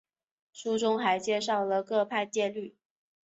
书中还介绍了各派戒律。